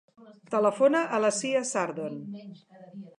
Telefona a la Sia Sardon.